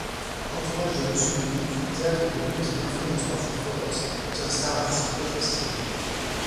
L'entourage de Mussolini, théâtre de luttes d'influence parfois féroces, tient Starace en piètre estime.